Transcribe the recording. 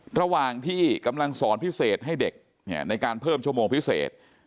ระหว่างที่กำลังสอนพิเศษให้เด็กในการเพิ่มชั่วโมงพิเศษ